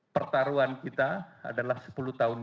pertaruhan kita adalah sepuluh tahun